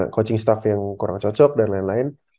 coaching staff yang kurang cocok dan lain lain